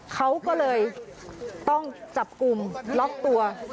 เขาก็เลยต้องจับกลุ่มล็อกตัว